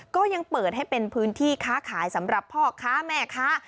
ก็ยังเปิดให้เป็นพื้นที่ค้าขายสำหรับพ่อค้าแม่ค้า